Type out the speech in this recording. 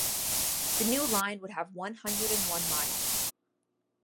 The new line would have one hundred and one miles.